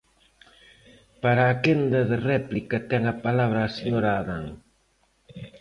Para a quenda de réplica ten a palabra a señora Adán.